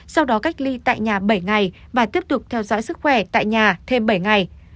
sau đó cách ly tại nhà bảy ngày và tiếp tục theo dõi sức khỏe tại nhà thêm bảy ngày